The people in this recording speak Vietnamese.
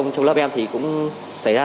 trong lớp em thì cũng xảy ra